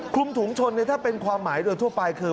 คลุมถุงชนเนี่ยถ้าเป็นความหมายโดยทั่วไปคือ